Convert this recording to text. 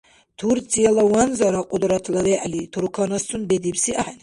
Турцияла ванзара Кьудратла вегӀли турканасцун бедибси ахӀен.